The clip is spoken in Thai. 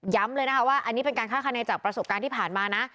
เลยนะคะว่าอันนี้เป็นการค่าคะแนนจากประสบการณ์ที่ผ่านมานะ